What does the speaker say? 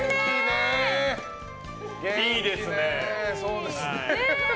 いいですね。